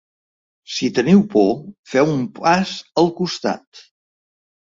Si teniu por, feu un pas al costat.